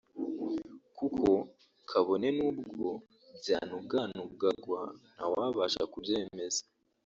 kuko kabone n’ubwo byanuganugagwa ntawabashaga kubyemeza